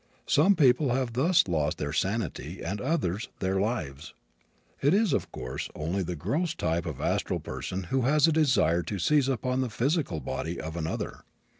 Some people have thus lost their sanity and others their lives. It is, of course, only the gross type of astral person who has a desire to seize upon the physical body of another.